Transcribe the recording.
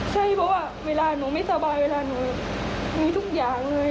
ใช่เพราะว่าเวลาหนูไม่สบายเวลาหนูมีทุกอย่างเลย